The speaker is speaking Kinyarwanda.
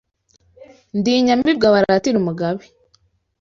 Ndi inyamibwa baratira umugabe